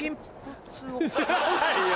知らないよ！